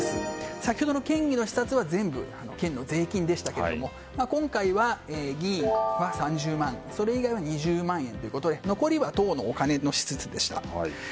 先ほどの県議の視察は全部、県の税金でしたけれども今回は議員は３０万それ以外は２０万円ということで残りは党のお金でした。